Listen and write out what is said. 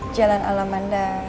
jalan alamanda lima